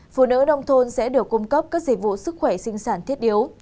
phụ nữ nông thôn sẽ được cung cấp các dịch vụ sức khỏe sinh sản thiết yếu